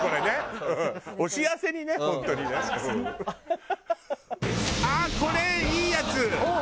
あっこれいいやつ！